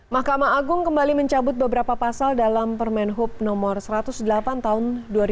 mahkamah agung kembali mencabut beberapa pasal dalam permen hub no satu ratus delapan tahun dua ribu dua puluh